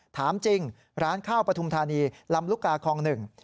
ถามจริงร้านข้าวปฐุมธานีลำลุกาคลองหนึ่ง